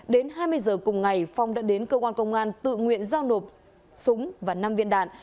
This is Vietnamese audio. đến hai mươi giờ cùng ngày phong đã đến cơ quan công an tự nguyện giao nộp súng và năm viên đạn